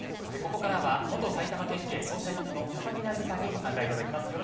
ここからは元埼玉県警捜査１課の佐々木成三さんにご参加いただきます。